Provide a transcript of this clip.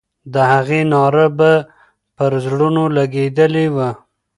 د هغې ناره به پر زړونو لګېدلې وه.